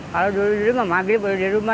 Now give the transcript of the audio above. kalau dulu di rumah mampir pulang di rumah